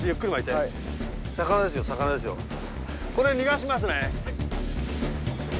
これ逃がしますね。